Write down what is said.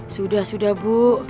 sudah sudah bu